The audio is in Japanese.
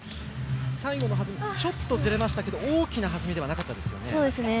最後ちょっとずれましたが大きな弾みではなかったですね。